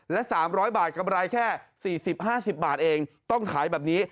และสามร้อยบาทกำไรแค่สี่สิบห้าสิบบาทเองต้องขายแบบนี้